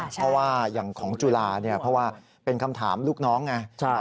เพราะว่าอย่างของจุฬาเนี่ยเพราะว่าเป็นคำถามลูกน้องไง